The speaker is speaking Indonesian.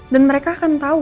dan mereka akan tahu